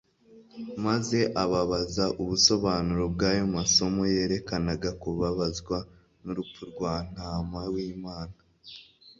maze ababaza ubusobanuro bw'ayo masomo yerekanaga kubabazwa n'urupfu rwa Ntama w'Imana.